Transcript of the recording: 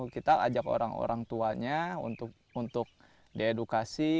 kita ajak orang orang tuanya untuk diedukasi